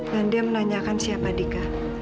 dan dia menanyakan siapa dika